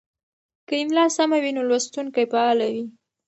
که املا سمه وي نو لوستونکی فعاله وي.